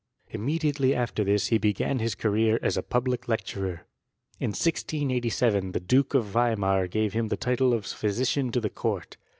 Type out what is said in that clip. Immediately after this he began his career as a public lecturer. In 1687 the I)uke of Weimar gave him the title of physician to the court.